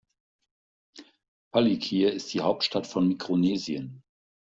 Palikir ist die Hauptstadt von Mikronesien.